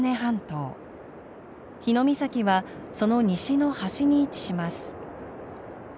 日御碕はその西の端に位置します。